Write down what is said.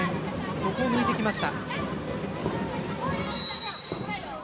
そこを抜いてきました。